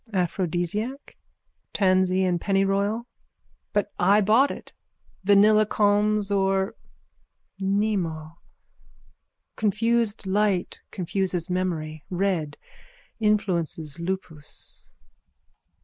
_ Aphrodisiac? Tansy and pennyroyal. But I bought it. Vanilla calms or? Mnemo. Confused light confuses memory. Red influences lupus.